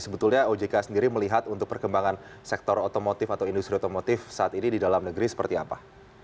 sebetulnya ojk sendiri melihat untuk perkembangan sektor otomotif atau industri otomotif saat ini di dalam negeri seperti apa